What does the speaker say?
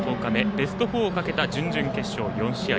ベスト４をかけた準々決勝４試合。